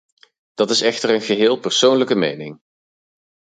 Dat is echter een geheel persoonlijke mening.